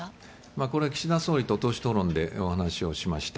これ、岸田総理と党首討論でお話をしました。